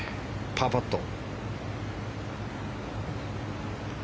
パーパット。